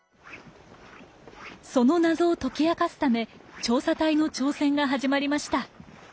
その謎を解き明かすため調査隊の挑戦が始まりました。